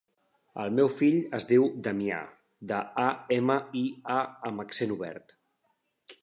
El meu fill es diu Damià: de, a, ema, i, a amb accent obert.